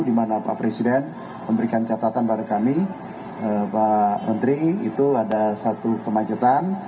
di mana pak presiden memberikan catatan pada kami pak menteri itu ada satu kemacetan